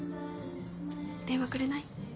電話くれない？